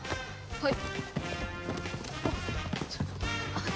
はい！